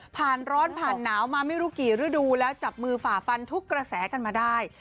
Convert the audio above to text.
ร้อนผ่านหนาวมาไม่รู้กี่ฤดูแล้วจับมือฝ่าฟันทุกกระแสกันมาได้